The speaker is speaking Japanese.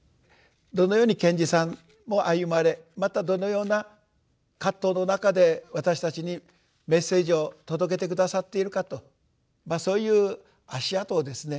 どのように賢治さんも歩まれまたどのような葛藤の中で私たちにメッセージを届けて下さっているかとそういう足跡をですね